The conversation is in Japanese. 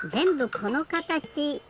このかたち！